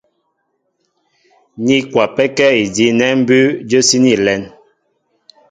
Ní kwapɛ́kɛ́ idí' nɛ́ mbʉ́ʉ́ jə́síní a lɛ́n.